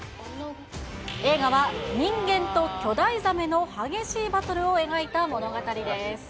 映画は人間と巨大ザメの激しいバトルを描いた物語です。